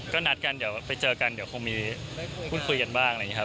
ก็นัดกันเดี๋ยวไปเจอกันเดี๋ยวคงมีคุยกันบ้าง